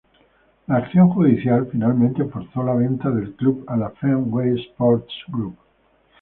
La acción judicial finalmente forzó la venta del club a la Fenway Sports Group.